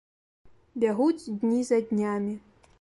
Бягуць дні за днямі.